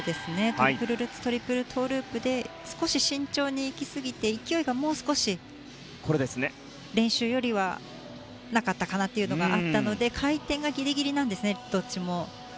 トリプルルッツトリプルトウループで少し慎重に行きすぎて勢いがもう少し練習よりはなかったかなと思ったので回転がギリギリなんですねどちらも。